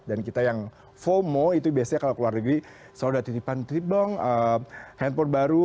dan kita yang fomo itu biasanya kalau keluar negeri selalu ada titipan titipan handphone baru